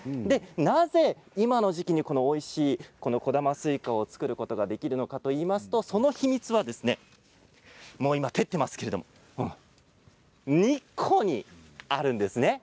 なぜ、今の時期においしい小玉スイカを作ることができるのかといいますとその秘密は今、照っていますけれど日光にあるんです。